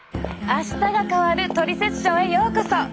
「あしたが変わるトリセツショー」へようこそ！